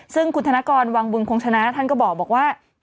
ซึ่งคุณธนกรวังบุญคงชนะท่านก็บอกว่า